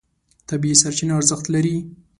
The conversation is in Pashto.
طبیعي سرچینه ارزښت لري.